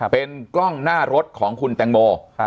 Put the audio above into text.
เป็นกล้องหน้ารถของคุณแตงโม